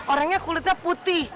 orangnya kulitnya putih